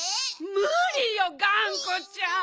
むりよがんこちゃん。